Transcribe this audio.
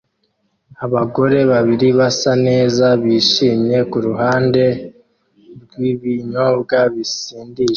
Abagore babiri basa neza bishimye kuruhande rwibinyobwa bisindisha